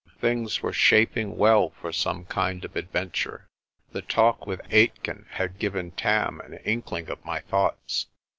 Things were shaping well for some kind of adventure. The talk with Aitken had given Tam an inkling of my thoughts.